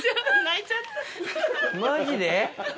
マジで？